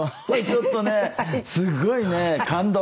ちょっとねすごいね感動。